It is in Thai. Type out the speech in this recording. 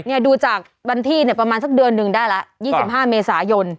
เนี่ยดูจากบันที่เนี่ยประมาณสักเดือนหนึ่งได้ล่ะยี่สิบห้าเมษายน